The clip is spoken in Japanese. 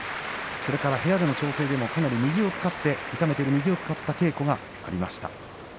それから部屋での調整でもかなり右を使って痛めている右を使う稽古がありました。